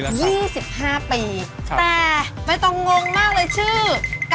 แต่ไม่ต้องงงมากเลยชื่อ